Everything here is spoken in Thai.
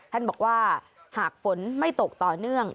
ท่านบอกว่าหากฝนไม่ตกต่อเนื่อง